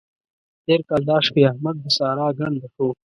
تېر کال دا شپې احمد د سارا ګنډه شو.